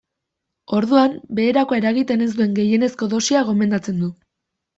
Orduan, beherakoa eragiten ez duen gehienezko dosia gomendatzen du.